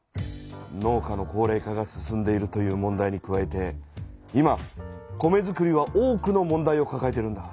農家の高れい化が進んでいるという問題に加えて今米づくりは多くの問題をかかえているんだ。